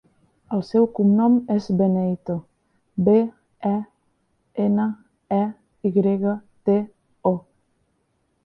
El seu cognom és Beneyto: be, e, ena, e, i grega, te, o.